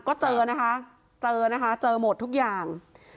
ก็เจอนะคะเจอนะคะเจอหมดทุกอย่าง